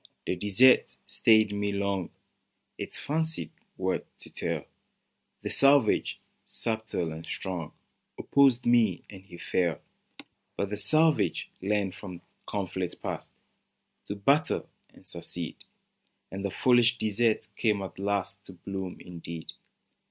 The desert stayed me long Its fancied worth to tell ; 72 CIVILIZATION The savage, subtle and strong, Opposed me, and he fell : But the savage learned from conflict past To battle and succeed, And the foolish desert came at last To bloom indeed.